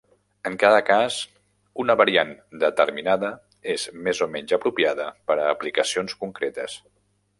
En cada cas, una variant determinada és més o menys apropiada per a aplicacions concretes.